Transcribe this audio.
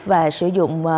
và sử dụng